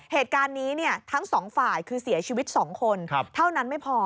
เหตุการณ์นี้ทั้งสองฝ่ายคือเสียชีวิต๒คนเท่านั้นไม่พอ